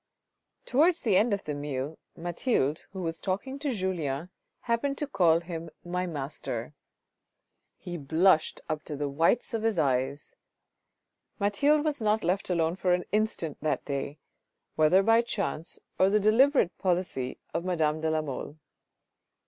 Towards the end of the meal, Mathilde, who was talking to Julien, happened to call him " My Master." He blushed up to the whites of his eyes. Mathilde was not left alone for an instant that day, whether by chance or the deliberate policy of madame de la THE OPERA BOUFFE 371 Mole.